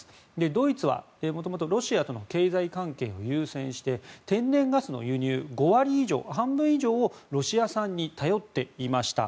ドイツは元々ロシアとの経済関係を優先して天然ガスの輸入５割以上、半分以上をロシア産に頼っていました。